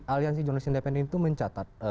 aliansi jurnalis independen itu mencatat